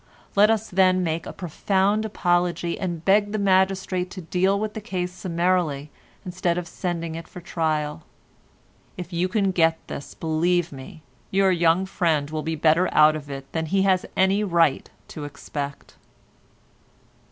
Let us then make a profound apology and beg the magistrate to deal with the case summarily instead of sending it for trial. If you can get this, believe me, your young friend will be better out of it than he has any right to expect."